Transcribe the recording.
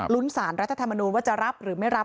สารรัฐธรรมนูญว่าจะรับหรือไม่รับ